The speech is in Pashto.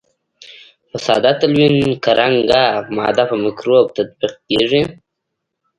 په ساده تلوین کې رنګه ماده په مکروب تطبیق کیږي.